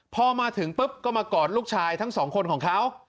พอมาถึงปุ๊บก็มากอดลูกชายทั้งสองคนของเขา